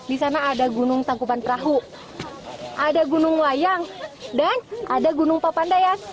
disana ada gunung tangkupan perahu ada gunung wayang dan ada gunung papandaya